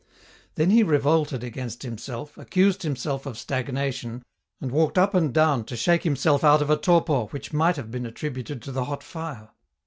Then he revolted against himself, accused himself of stagnation, and walked up and down to shake himself out of a torpor which might have been attributed to the hot fire.